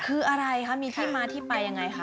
คืออะไรคะมีที่มาที่ไปยังไงคะ